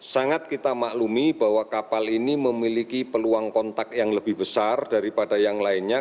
sangat kita maklumi bahwa kapal ini memiliki peluang kontak yang lebih besar daripada yang lainnya